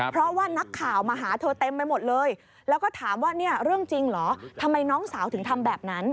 เพราะว่านักข่าวมาหาเธอเต็มไปหมดเลยแล้วก็ถามว่าเนี่ยเรื่องจริงเหรอทำไมน้องสาวถึงทำแบบนั้น